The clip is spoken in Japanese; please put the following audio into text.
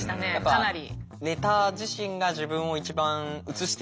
かなり。